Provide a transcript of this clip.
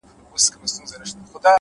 ماخو ستا غمونه ځوروي گلي !